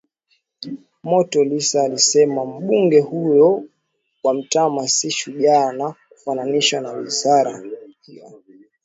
moto Lissu alisema mbunge huyo wa Mtama si shujaa na kumfananisha na waziri wa